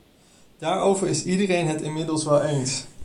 Daarover is iedereen het inmiddels wel eens.